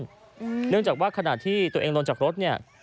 เนื่องจากว่าขณะที่ตัวเองลงจากรถเนี่ย